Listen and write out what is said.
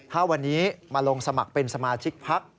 ถ้าวันนี้มาลงสมัครเป็นสมาชิกพัก